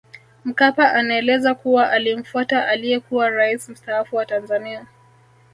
Mkapa anaeleza kuwa alimfuata aliyekuwa rais mstaafu wa Tanzania